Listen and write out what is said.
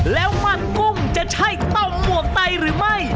แล้วมันกุ้งจะใช่เต้าหมวกไตหรือไม่